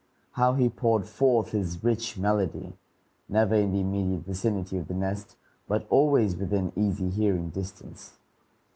How he poured forth his rich melody, never in the immediate vicinity of the nest, but always within easy hearing distance!